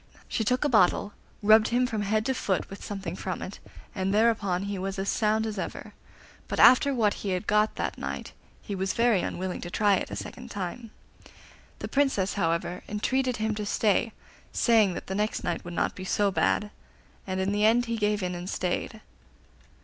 She took a bottle, rubbed him from head to foot with something from it, and thereupon he was as sound as ever; but after what he had got that night he was very unwilling to try it a second time. The Princess, however, entreated him to stay, saying that the next night would not be so bad, and in the end he gave in and stayed.